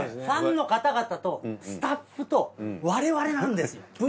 ファンの方々とスタッフと我々なんです。